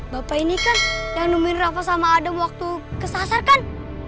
bapak ini kan yang menemukan rafa dan adem saat kesakaran bukan